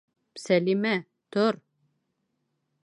Сәлимә, тор